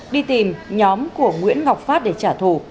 đi tìm nhóm của ngọc phát